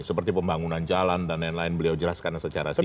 seperti pembangunan jalan dan lain lain beliau jelaskan secara singkat